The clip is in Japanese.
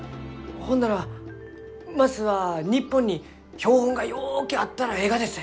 ほんならまずは日本に標本がようけあったらえいがですね？